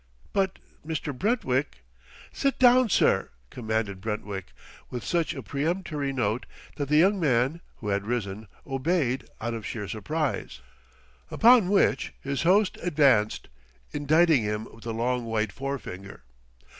"But Mr. Brentwick !" "Sit down, sir!" commanded Brentwick with such a peremptory note that the young man, who had risen, obeyed out of sheer surprise. Upon which his host advanced, indicting him with a long white forefinger.